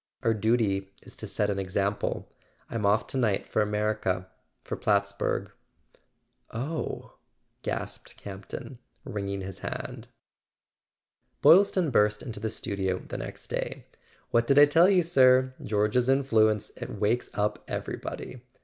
Our duty is to set an example. I'm off to night for America—for Plattsburg." "Oh " gasped Campton, wringing his hand. Boylston burst into the studio the next day. "What did I tell you, sir? George's influence—it wakes up everybody.